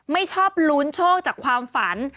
ไม่ชอบลุ้นโชคจากความฝัน